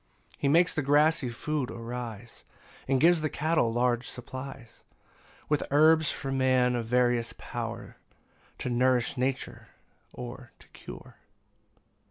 10 He makes the grassy food arise, And gives the cattle large supplies; With herbs for man of various power, To nourish nature, or to cure.